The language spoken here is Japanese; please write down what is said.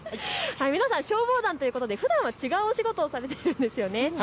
皆さん、消防団ということでふだんは違うお仕事をされているんですよね。